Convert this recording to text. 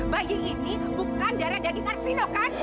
bayi ini bukan darah dari arpino kan